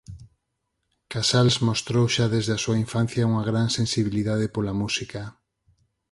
Casals mostrou xa desde a súa infancia unha gran sensibilidade pola música.